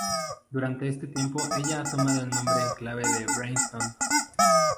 Durante este tiempo, ella ha tomado el nombre en clave de Brainstorm.